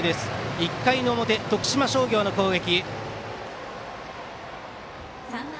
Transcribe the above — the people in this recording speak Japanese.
１回表、徳島商業の攻撃。